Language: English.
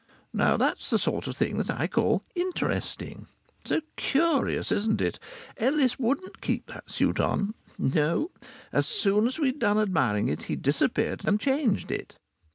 Now that's the sort of thing that I call "interesting." So curious, isn't it? Ellis wouldn't keep that suit on. No; as soon as we'd done admiring it he disappeared and changed it.